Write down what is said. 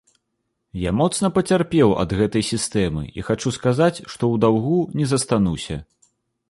Я моцна пацярпеў ад гэтай сістэмы, і хачу сказаць, што ў даўгу не застануся.